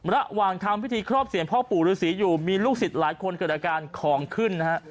ระหว่างทำพิธีครอบเสียงพ่อปู่ฤษีอยู่มีลูกศิษย์หลายคนเกิดอาการของขึ้นนะฮะ